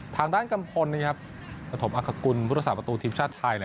ทางด้านกลางควรมาถมอัคกลภูทธิ์ภูมิสถาประตูทีมชาติไทย